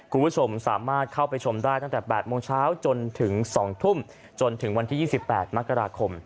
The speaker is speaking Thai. คุณผู้ชมสามารถเข้าไปชมได้ตั้งแต่๘โมงเช้าจนถึง๒ทุ่มจนถึงวันที่๒๘มกราคม